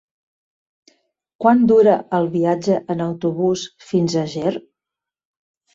Quant dura el viatge en autobús fins a Ger?